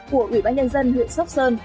của ủy ban nhân dân huyện sóc sơn